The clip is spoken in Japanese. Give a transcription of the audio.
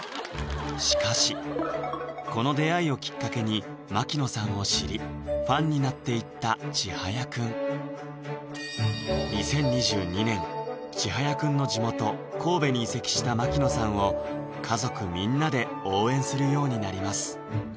しかしこの出会いをきっかけに槙野さんを知りファンになっていったちはやくん２０２２年ちはやくんの地元・神戸に移籍した槙野さんを家族みんなで応援するようになります